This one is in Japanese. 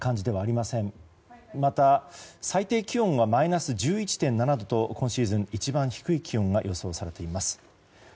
また、最低気温がマイナス１１．７度と今シーズン一番低い気温が予想されています。